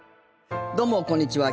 どうも、こんにちは。